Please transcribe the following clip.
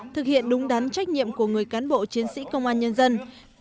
thực hiện đúng đắn trách nhiệm của người cán bộ chiến sĩ công an nhân dân